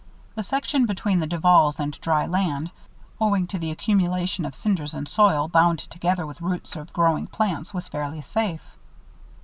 The section between the Duvals and dry land, owing to the accumulation of cinders and soil, bound together with roots of growing plants, was fairly safe.